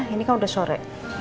ini kan udah sore